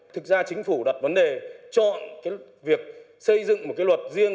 thực ra chính phủ đặt vấn đề chọn việc xây dựng một cái luật riêng